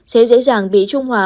sẽ dễ dàng bị trung hòa